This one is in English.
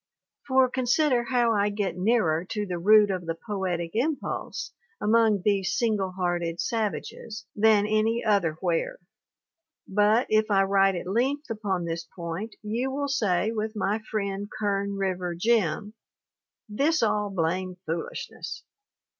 For consider how I get nearer to the root of the poetic impulse among these single hearted savages than any other where. But if I write at length upon this point you will say with my friend Kern River Jim, "This all blame foolishness."